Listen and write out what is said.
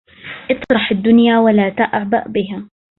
إطرح الدنيا ولا تعبأ بها